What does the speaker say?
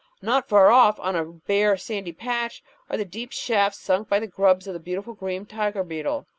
Not far off, on a bare sandy patch, are the deep shafts sunk by the grubs of the beautiful green Tiger Beetle.